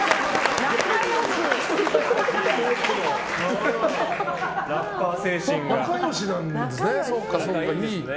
仲良しなんですね。